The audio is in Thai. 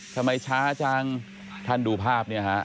ทำไมช้าจังท่านดูภาพเนี่ยฮะ